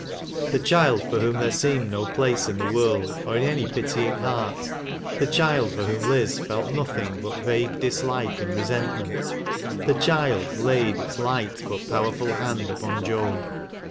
The child for whom there seemed no place in the world, or in any pitying heart — the child for whom Liz felt nothing but vague dislike and resent ment — the child laid its light but powerful hand upon Joan.